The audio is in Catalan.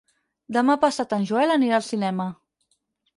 Demà passat en Joel anirà al cinema.